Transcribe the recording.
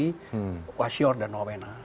swasior dan wapena